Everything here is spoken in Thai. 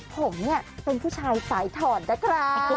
ผมเนี่ยเป็นผู้ชายสายถอดนะครับ